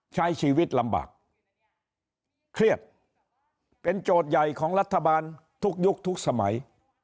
ใช้ชีวิตลำบากเครียดเป็นโจทย์ใหญ่ของรัฐบาลทุกยุคทุกสมัย